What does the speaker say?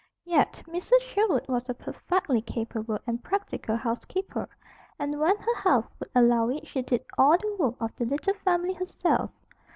Yet Mrs. Sherwood was a perfectly capable and practical housekeeper, and when her health would allow it she did all the work of the little family herself.